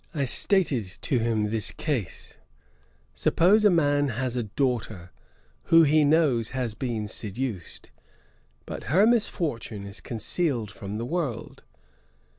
I stated to him this case: 'Suppose a man has a daughter, who he knows has been seduced, but her misfortune is concealed from the world?